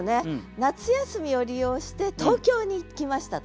夏休みを利用して東京に行きましたと。